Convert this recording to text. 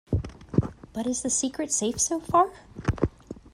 But is the secret safe so far?